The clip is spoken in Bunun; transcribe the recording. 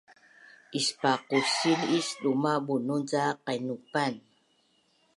ispaqusil is duma bunun ca qainupan